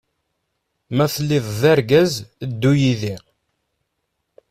Ma teliḍ d-argaz ddu yidi.